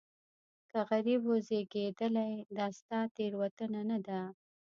که غریب وزېږېدلې دا ستا تېروتنه نه ده.